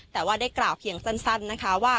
แต่ว่าได้กล่าวเพียงสั้นนะคะว่า